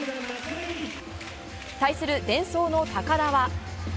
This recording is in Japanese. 対するデンソーの高田は。